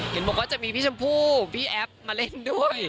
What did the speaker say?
เห็นบอกว่าจะมีพี่ชมพู่พี่แอฟมาเล่นด้วย